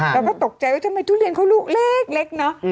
แล้วก็ตกใจว่าทุเรียนเขาลูกเล็กเนาะ